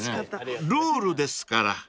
［ルールですから］